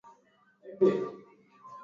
ulaji wa viazi lishe hupunguza kuzeeka